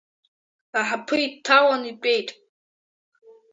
Аҳаԥы иҭалан итәеит.